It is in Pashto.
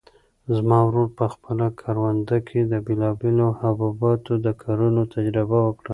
زما ورور په خپله کرونده کې د بېلابېلو حبوباتو د کرلو تجربه وکړه.